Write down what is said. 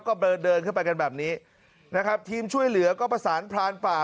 ก็เดินเดินขึ้นไปกันแบบนี้นะครับทีมช่วยเหลือก็ประสานพรานป่า